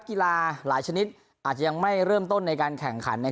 กีฬาหลายชนิดอาจจะยังไม่เริ่มต้นในการแข่งขัน